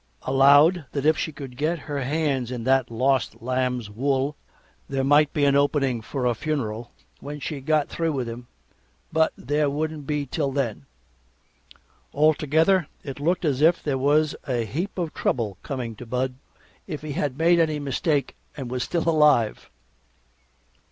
Allowed that if she could once get her hands in "that lost lamb's" wool there might be an opening for a funeral when she got through with him, but there wouldn't be till then. Altogether, it looked as if there was a heap of trouble coming to Bud if he had made any mistake and was still alive.